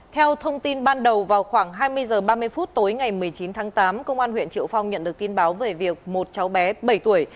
theo thông tin ban đầu vào khoảng hai mươi h ba mươi phút tối ngày một mươi chín tháng tám công an huyện triệu phong nhận được tin báo về việc một cháu bé bảy tuổi